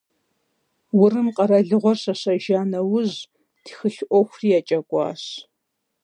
Урым къэралыгъуэр щэщэжа нэужь, тхылъ ӏуэхури екӏэкӏуащ.